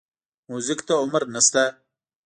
موزیک ته عمر نه شته.